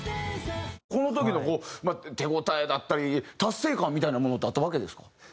この時の手応えだったり達成感みたいなものってあったわけですか？